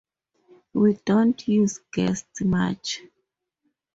We don't use guests much.